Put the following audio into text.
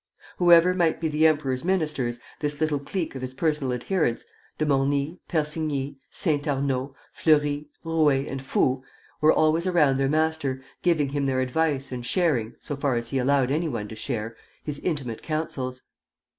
Whoever might be the emperor's ministers, this little clique of his personal adherents De Morny, Persigny, Saint Arnaud, Fleury, Rouher, and Fould were always around their master, giving him their advice and sharing (so far as he allowed anyone to share) his intimate councils.